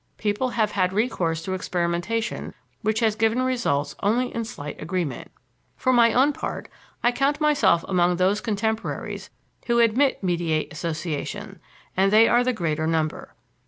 People have had recourse to experimentation, which has given results only in slight agreement. For my own part, I count myself among those contemporaries who admit mediate association, and they are the greater number.